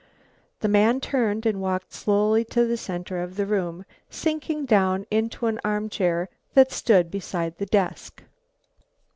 The man turned and walked slowly to the centre of the room, sinking down into an arm chair that stood beside the desk.